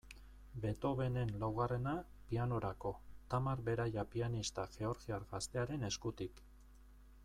Beethovenen laugarrena, pianorako, Tamar Beraia pianista georgiar gaztearen eskutik.